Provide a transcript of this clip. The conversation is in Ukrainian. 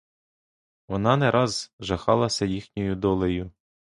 Вона не раз жахалася їхньою долею.